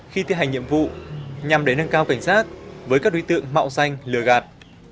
khi thi hành nhiệm vụ nhằm để nâng cao cảnh giác với các đối tượng mạo danh lừa gạt